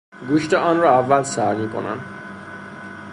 گوشت انرا اول سر میکنند